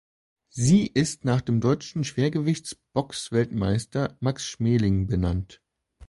Sie ist nach dem deutschen Schwergewichts-Boxweltmeister Max Schmeling benannt.